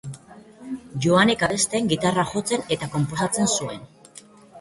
Joanek abesten, gitarra jotzen eta konposatzen zuen.